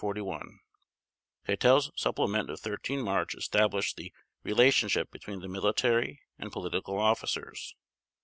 Keitel's supplement of 13 March established the relationship between the military and political officers.